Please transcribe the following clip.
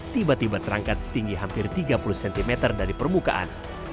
tiba tiba terangkat setinggi hampir tiga puluh cm dari permukaan